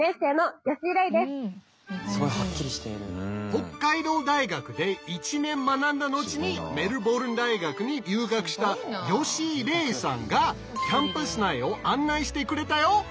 北海道大学で１年学んだ後にメルボルン大学に留学した吉井伶衣さんがキャンパス内を案内してくれたよ！